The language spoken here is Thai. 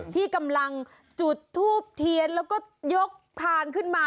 ที่กำลังจุดทูบเทียนแล้วก็ยกทานขึ้นมา